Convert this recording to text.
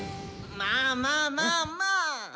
まあまあまあまあ！